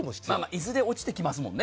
いずれ落ちてきますもんね。